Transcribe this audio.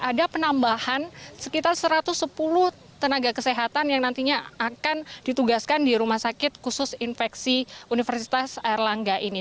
ada penambahan sekitar satu ratus sepuluh tenaga kesehatan yang nantinya akan ditugaskan di rumah sakit khusus infeksi universitas erlangga ini